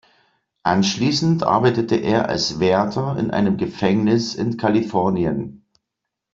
Anschließend arbeitete er als Wärter in einem Gefängnis in Kalifornien.